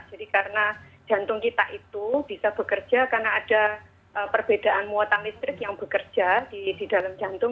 jadi karena jantung kita itu bisa bekerja karena ada perbedaan muatan listrik yang bekerja di dalam jantung